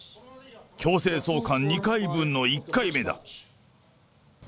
強制送還２回分の１回目だ。